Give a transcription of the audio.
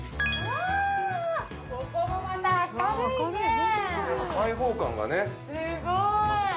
すごい。